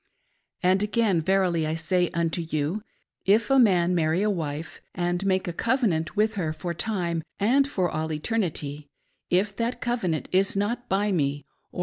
5. And again, verily I say unto you, if a man marry a wife, and make a cov enant with her for time, and for all eternity, if that covenant is not by me, or